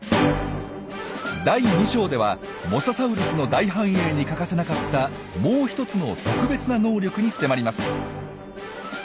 第２章ではモササウルスの大繁栄に欠かせなかった「もう一つの特別な能力」に迫ります！